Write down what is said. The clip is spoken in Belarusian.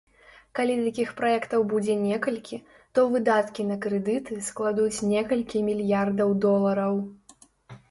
Калі такіх праектаў будзе некалькі, то выдаткі на крэдыты складуць некалькі мільярдаў долараў.